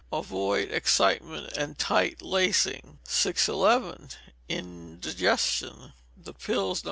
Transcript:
Avoid excitement and tight lacing. 611. Indigestion. The pills No.